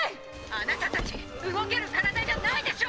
あなたたち動ける体じゃないでしょ！